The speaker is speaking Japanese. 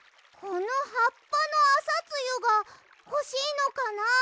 このはっぱのあさつゆがほしいのかな？